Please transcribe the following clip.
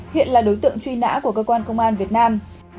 hiện là đối tượng truy nã của cơ quan công an việt nam